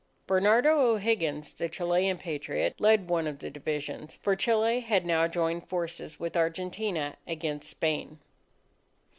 Bernardo O'Higgins, the Chilean Patriot, led one of the divisions; for Chile had now joined forces with Argentina against Spain.